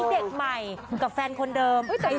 เพราะว่าแฟนพี่น้องมาเยอะ